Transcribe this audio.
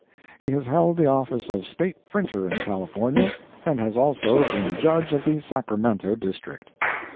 He has held the office of State Printer in California, and has also been Judge of the Sacramento District.